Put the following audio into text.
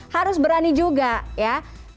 harus berani juga ya